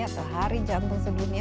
atau hari jantung segini ya